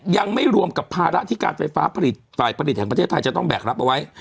ยังไม่รวมกับภาระที่การไฟฟ้าผลิตฝ่ายผลิตแห่งประเทศไทยจะต้องแบกรับเอาไว้